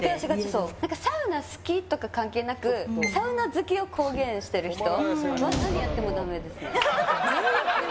サウナ好きとか関係なくサウナ好きを公言してる人は何やってもダメです。